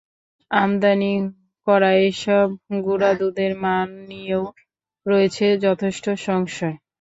আমদানি করা এসব গুঁড়া দুধের মান নিয়েও রয়েছে যথেষ্ট সংশয়।